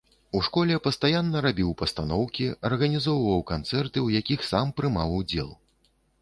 У школе пастаянна рабіў пастаноўкі, арганізоўваў канцэрты, у якіх сам прымаў удзел.